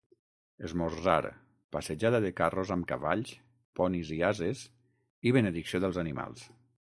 Esmorzar, passejada de carros amb cavalls, ponis i ases i benedicció dels animals.